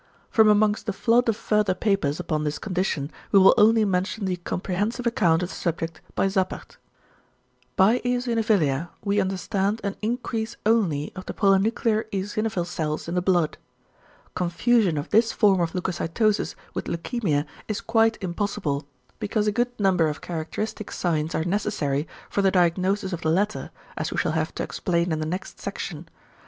From amongst the flood of further papers upon this condition we will only mention the comprehensive account of the subject by Zappert. By =eosinophilia= we understand an =increase only of the polynuclear eosinophil cells in the blood=. Confusion of this form of leucocytosis with leukæmia is quite impossible, because a good number of characteristic signs are necessary for the diagnosis of the latter, as we shall have to explain in the next section.